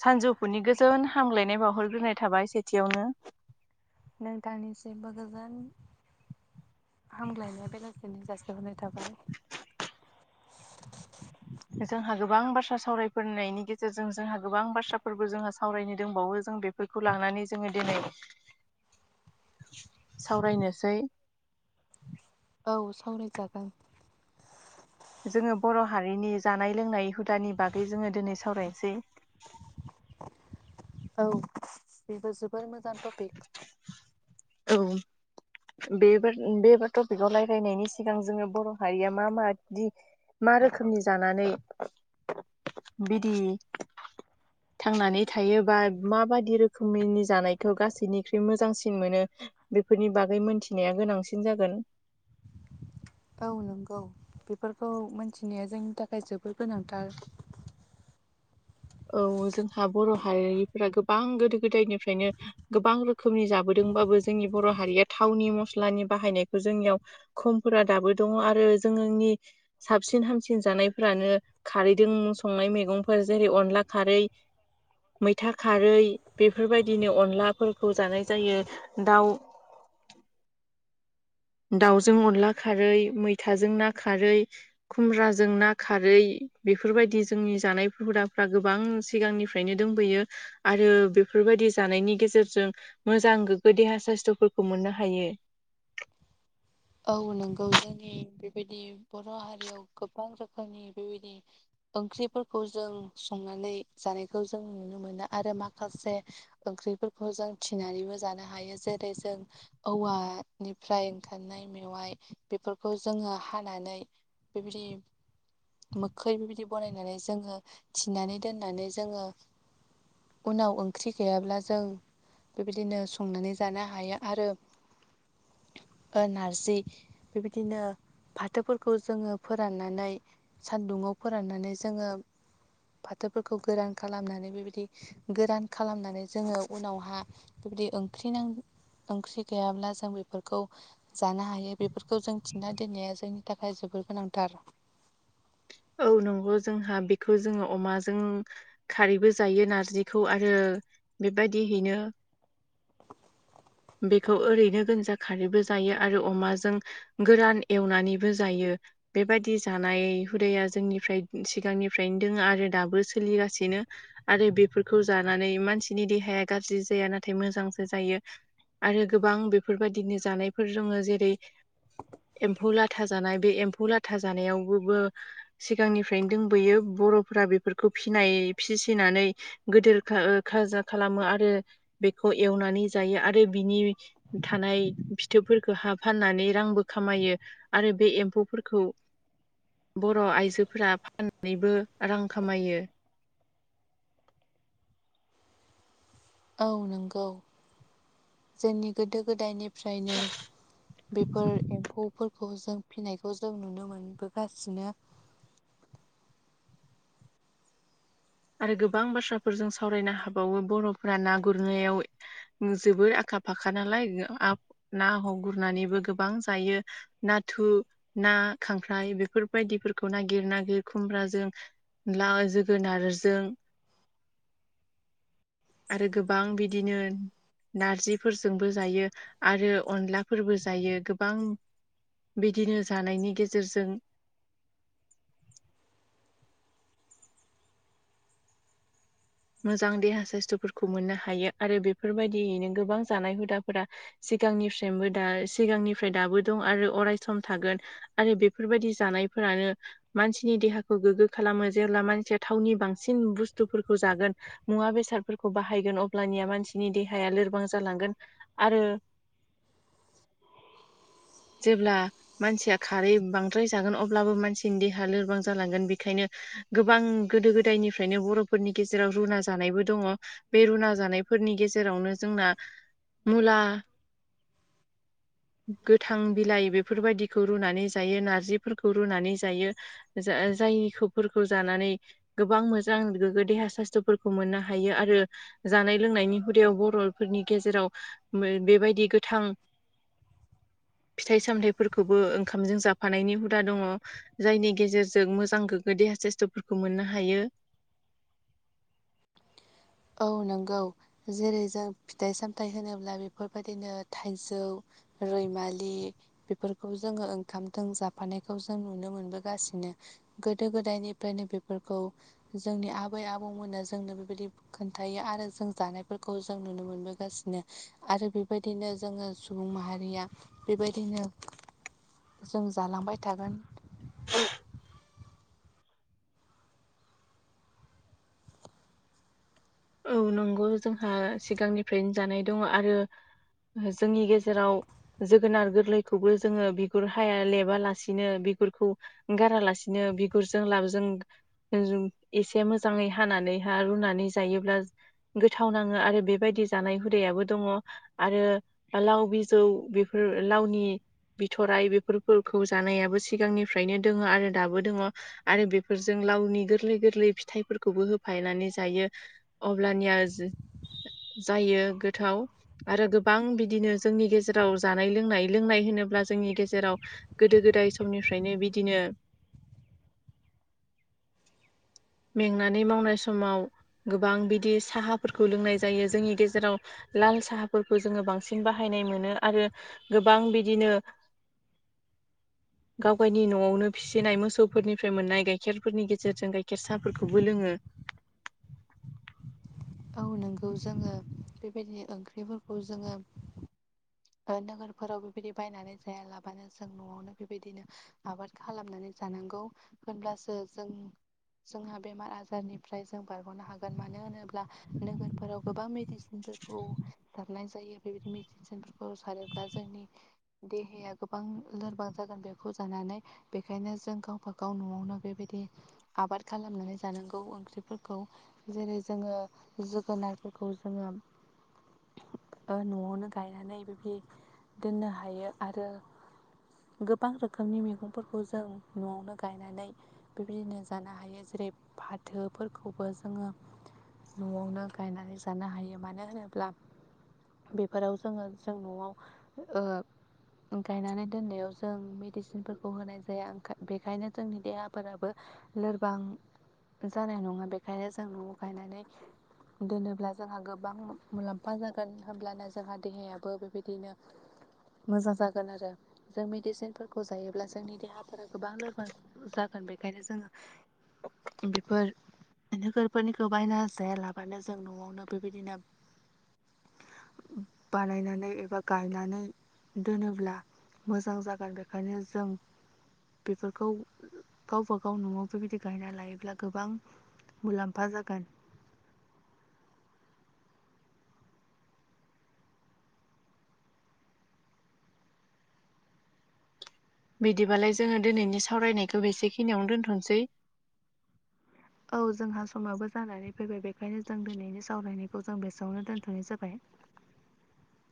सानजौफुनि गोजोन हामलायनाय बावहरग्रोनाय थाबाय सेथियावनो। नोंथांनिसिबो गोजोन। हाम लायनाय बेलासिनि जासिहरनाय थाबाय। जोंहा गोबां बाथ्रा सावरायफोरनायनि गेजेरजों जोंहा गोबां बाथ्राफोरबो जोंहा सावरायनो दंबावो जों बेफोरखौ लानानै जोङो दिनै सावरायनोसै औ सावरायजागोन। जोङो बर' हारिनि जानाय लोंनाय हुदानि बागै जोङो दिनै सावरायनोसै। [inaudible] औ बेबो जोबोर मोजां टपिक औ बे बे टपिकाव राय्लायनायनि सिगां जोङो बर' हारिया मा मादि? मा रोखोमनि जानानै बिदि थांनानै थायोबा माबायदि रोखोमनि जानाय खौ गासैनिख्रुइ मोजांसिन मोनो बेफोरनि बागै मोनथिनाया गोनांसिन जागोन। [inaudible] औ नंगौ बेफोरखौ मोनथिनाया जोंनि थाखाय जोबोर गोनांथार। औ जोंहा बर' हारिफोरा गोबां गोदो गोदायनिफ्रायनो गोबां रोखोमनि जाबोदों। बाबो जोंनि बर' हारिया थावनि मस्लानि बाहायनायखौ जोंनियाव खमफोरा दाबो दंङ आरो जोंनि साबसिन हामसिन जानायफोरानो खारैदों संनाय मैगंफोर जेरै अन ला खारै मैथा खारै बेफोरबायदिनो अनलाफोरखौ जानाय जायो दाउ [inaudible] दावजों अनला खारै मैथाजों ना खारै खुमब्राजों ना खारै बेफोरबायदि जोंनि जानाय हुदाफ्रा गोबां सिगांनिफ्रायनो दोंबोयो आरो बेफोर बेबायदि जानायनि गेजेरजों मोजां गोग्गो देहा ससथ'फोरखौ मोननो हायो। औ नोंगौ जोंनि बेबायदि बर' हारियाव गोबां रोखोमनि बेबायदि ओंख्रिफोरखौ जों संनानै जानायखौ जों नुनो मोनो आरो माखासे ओंख्रिफोरखौ जों थिनानैबो जानो हायो जेरै जों औवानिफ्राय ओंखारनाय मेवाइ बेफोरखौ जोङो हानानै बेबायदि मोखै बेबायदि बनायनानै जोङो थिनानै दोननानै जोङो उनाव ओंख्रि गैयाब्ला जों बेबायदिनो संनानै जानो हायो आरो दा नार जि बेबायदिनो फाथोफोरखौ जोङो फोराननानै सानदुंआव फोराननानै जोङो फाथोफोरखौ गोरान खालामनानै बेबायदि गोरान खालामनानै जोङो उनावहा जुदि ओंख्रि नां ओंख्रि गैयाब्ला जों बेफोरखौ जानो हायो बेफोरखौ जों थिना दोननाया जोंनि थाखाय जोबोर गोनांथार। औ नंगौ जोंहा बेखौ जोङो अमाजों खारैबो जायो नारजिखौ आरो बेबायदिहैनो बेखौ ओरैनो गोनजा खारैबो जायो आरो अमाजों गोरान एवनानैबो जायो। बेबायदि जानाय हुदाया जोंनिफ्राय सिगांनिफ्रायनो दोंङो आरो दाबो सोलिगासि नो आरो बेफोरखौ जानानै मानसिनि देहाया गाज्रि जाया नाथाय मोजांसो जायो। आरो गोबां बेफोरबायदिनो जानायफोर दंङ जेरै एम्फौ लाथा जानाय बे एम्फौ लाथा जानायावबोबो सिगांनिफ्रायनो दोंबोयो। बर'फोरा बेफोरखौ फिनाय फिसिनानै गोदोर ओ खा-खाजा खालामो आरो बेखौ एवनानै जायो आरो बिनि थानाय फिथोबफोरखौ हा फाननानै रांबो खामायो आरो बे एम्फौ फोरफोरखौ बर' आइजोफोरा फाननानैबो रां खामायो। [inaudible] औ नंगौ जोंनि गोदो गोदायनिफ्रायनो बेफोर एम्फौफोरखौ जों फिसिनायखौ जों नुनो मोनबोगासिनो [inaudible] आरो गोबां बाथ्राफोर जों सावरायनो हाबावो बर'फोरा ना गुरनायाव जोबोद आखा फाखा नालाय ओ आफ ना गुरनानैबो गोबां जायो नाथु ना खांख्राय बेफोरबायदि फोरखौ नागिर नागिर खुमब्राजों लाव जोगोनार जों आरो गोबां बिदिनो नारजिफोरजोंबो जायो आरो अनलाफोरबो जायो गोबां बिदिनो जानायनि गेजेरजों मोजां देहा साइस्थ'फोरखौ मोननो हायो आरो बेफोरबायदियैनो गोबां जानाय हुदाफोरा सि गांनिफ्रायबो दा सिगांनिफ्राय दाबो दं आरो अरायस थागोन आरो बेफोरबायदि जानाय फोरानो मानसिनि देहाखौ गोग्गो खालामो जेब्ला मानसिया थावनि बांसिन बुस्थुफोरखौ जागोन मुवा बेसादफोरखौ बाहायगोन अब्लानिया मानसिनि देहाया लोरबां जालांगोन आरो [inaudible] जेब्ला मानसिया खारै बांद्राय जागोन अब्लाबो मानसिनि देहा लोरबां जालांगोन बेखायनो गोबां गोदो गोदायनिफ्रायनो बर'फोरनि गेजेराव रुना जानायबो दङ। बे रुना जानाय फोरनि गेजेरावनो जोंना मुला गोथां बिलाइ बेफोरबायदिखौ रुनानै जायो, नारजिफोरखौ रुनानै जायो जाय फोरखौ जानानै गोबां मोजां गोगो देहा साइस्थ'फोरखौ मोननो हायो आरो जानाय लोंनायनि हुदायाव बर'फोरनि गेजेराव ओ बेबायदि गोथां फिथाइ सामथाइफोरखौबो ओंखामजों जाफानायनि हुदा दङ जायनि गेजेरजों मोजां गो गो दैहा साइस्थ'फोरखौ मोननो हायो। औ नंगौ जेरै जों फिथाइ सामथायाइ होनोब्ला बेफोरबायदिनो थाइजौ रैमालि बेफोरखौ जोङो ओंखामजों जाफानायखौ जों नुनो मोनबोगासिनो। गोदो गोदायनिफ्रायनो बेफोरखौ जोंनि आबै आबौमोना जोंनो बेबायदि खोन्थायो आरो जों जानायफोरखौ जों नुनो मोनबोगासिनो आरो बेबायदिनो जोङो सुबुं माहारिया बेबायदिनो जों जालांबाय थागोन। [inaudible] औ नंगौ जोंहा सिगांनिफ्रायनो जानाय दङ आरो जोंनि गेजेराव जोगोनार गोरलैखौबो जोङो बिगुर हाया लेबालासिनो बि गुरखौ गारालासिनो बिगुरजों लाबजों जों एसे मोजाङै हानानै हा रुनानै जायोब्ला गोथाव नाङो आरो बेबायदि जानाय हुदायाबो दं आरो लाव बि बिजौ बेफोर लावनि बिथराय बेफोरखौ जानायाबो सिगांनिफ्रायनो दङो आरो दाबो दङ आरो बेफोरजों लावनि गोरलै गोरलै फिथाइफोरखौबो होफानानै जायो अब्लानिया जो जायो गोथाव। आरो गोबां बिदिनो जोंनि गेजेराव जानाय लोंनाय, लोंनाय होनोब्ला जोंनि गेजेराव गोदो गो दाय समनिफ्रायनो बिदिनो मेंनानै मावनाय समाव गोबां बिदि साहाफोरखौ लोंनाय जायो जोंनि गेजेराव लाल साहाफोरखौ जोङो बांसिन बाहायनाय मोनो आरो गोबां बिदिनो गाव गायनि नआवनो फिसिनाय मोसौफोरनिफ्राय मोननाय गाइखेरफोरनि गेजेरजों गाय खेर साफोरखौबो लोङो। औ नंगौ जोङो बेबायदिनो ओंख्रिफोरखौ जोङो ओ नोगोरफोराव बेबायदि बायनानै जाया लाबानो जों नआवनो बेबायदिनो आबाद खालामनानै जानां गौ होनब्लासो जों जोंहा बेमार आजारनिफ्राय जों बारग'नो हागोन, मानो होनोब्ला नोगोरफोराव गोबां मेडिसिनफोरखौ सार नाय जायो। बेबायदि मेडिसिनफोरखौ सारोब्ला जोंनि देहाया गोबां लोरबां जागोन बेखौ जानानै, बेखायनो जों गाव बागाव नआवनो बेबायदि आबाद खालामनानै जानांगौ ओंख्रिफोरखौ जेरै जोङो जोगोनारफोरखौ जोङो ओ नआवनो गायनानै बिबदि दोननो हायो आरो गोबां रोखोमनि मैगंफोरखौ जों नआवनो गायनानै बेबायदिनो जानो हायो जेरै फाथोफोरखौबो जोङो नआवनो गायनानै जानो हायो मानो होनोब्ला बेफोराव जोङो जों नआव ओ ओ गायनानै दोननायाव जों मेडिसिनफोरखौ होनाय जाया, ओंखा बेखायनो जोंनि देहाफोराबो लोरबां जानाय नङा बेखायनो जों नआव गायनानै दोनोब्ला जोंहा गोबां मुलाम्फा जागोन होनब्लानो जोंहा देहायाबो बेबायदिनो। मोजां जागोन आरो जों मेडिसिनफोरखौ जायोब्ला जोंनि देहा। फोरा गोबां लोरबां जागोन बे ओंखायनो जोङो बेफोर नोगोरफोरनिखौ बायना। जाया लाबानो जों नयावनो बेबायदिनो। बानायनानै एबा गायनानै दोनोब्ला। मोजां जागोन बेखायनो जों। बेफोरखौ गावबा गाव नयाव बेबायदि गायना लायोब्ला गोबां। मुलाम्फा जागोन। बिदि बालाय जोङो दिनैनि सावरायनायखौ बेसेखिनियावनो दोनथसै। [inaudible] औ जोंहा समयाबो जानानै फैबाय बेखायनो जों दिनैनि सावरायनायखौ जों बेसेआवनो दोनथनाय जाबाय। [inaudible]